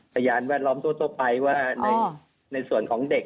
พยานแวดล้อมทั่วไปว่าในส่วนของเด็ก